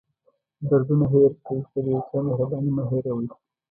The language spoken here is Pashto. دردونه هېر کړئ خو د یو چا مهرباني مه هېروئ.